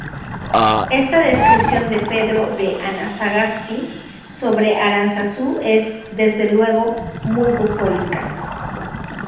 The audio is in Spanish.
Esta descripción de Pedro de Anasagasti sobre Aránzazu es, desde luego, muy bucólica.